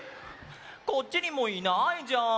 こっちにもいないじゃん！